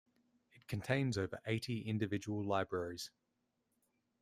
It contains over eighty individual libraries.